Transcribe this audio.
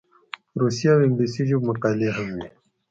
روسي او انګلیسي ژبو مقالې هم وې.